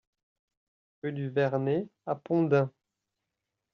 Rue du Vernay à Pont-d'Ain